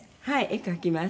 絵描きます。